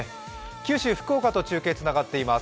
九州・福岡と中継がつながっています。